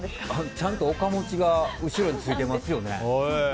ちゃんと、岡持ちが後ろについてますよね。